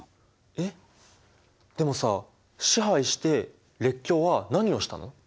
えっでもさ支配して列強は何をしたの？